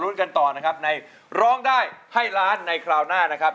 กันต่อนะครับในร้องได้ให้ล้านในคราวหน้านะครับ